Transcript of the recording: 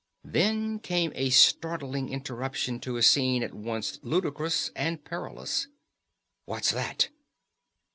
Then came a startling interruption to a scene at once ludicrous and perilous. "_What's that?